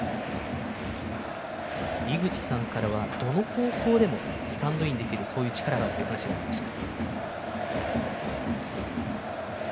井口さんからは、どの方向でもスタンドインできる力があるというお話がありました。